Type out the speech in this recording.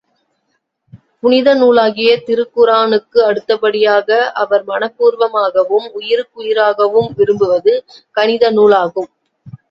புனித நூலாகிய திருக்குர்ஆனுக்கு அடுத்தபடியாக, அவர் மனப்பூர்வமாகவும் உயிருக்குயிராகவும் விரும்புவது கணிதநூல் ஆகும்.